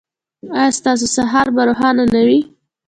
ایا ستاسو سهار به روښانه نه وي؟